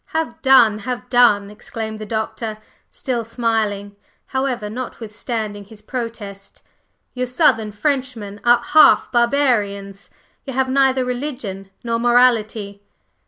"Have done! Have done!" exclaimed the Doctor, still smiling, however, notwithstanding his protest. "You Southern Frenchmen are half barbarians, you have neither religion nor morality."